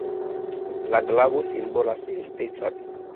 La glavo simbolas justecon.